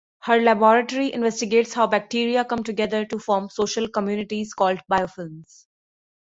Her laboratory investigates how bacteria come together to form social communities called biofilms.